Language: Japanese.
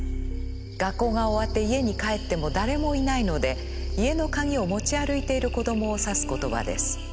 学校が終わって家に帰っても誰もいないので家の鍵を持ち歩いている子供を指す言葉です。